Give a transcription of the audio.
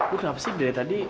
bu kenapa sih dari tadi